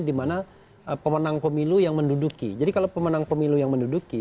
di mana pemenang pemilu yang menduduki